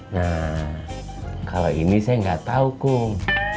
nah kalau ini saya nggak tahu kum